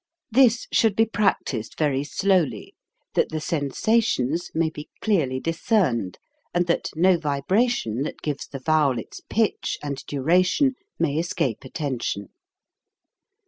This should be practised very slowly, that the sensations may be clearly discerned, and that no vibration that gives the vowel its pitch and duration may escape attention.